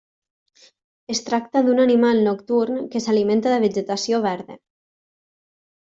Es tracta d'un animal nocturn que s'alimenta de vegetació verda.